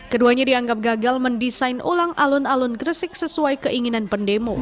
keduanya dianggap gagal mendesain ulang alun alun gresik sesuai keinginan pendemo